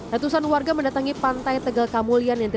ratusan warga mendatangi pantai tegal kamulian cilacap jawa tengah